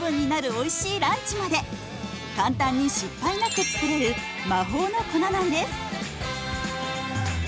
おいしいランチまで簡単に失敗なく作れる魔法の粉なんです。